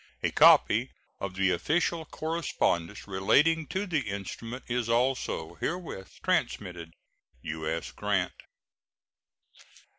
A copy of the official correspondence relating to the instrument is also herewith transmitted. U.S. GRANT.